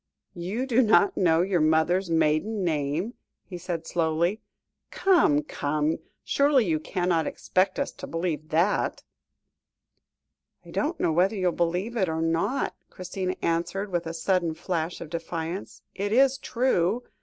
"You do not know your mother's maiden name?" he said slowly; "come, come, surely you cannot expect us to believe that." "I don't know whether you will believe it or not," Christina answered, with a sudden flash of defiance, "it is true.